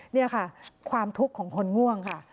นี่ค่ะความทุกข์ของคนง่วงค่ะ